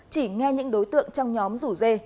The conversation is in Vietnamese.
chỉ nghe những đối tượng trong nhóm rủ dê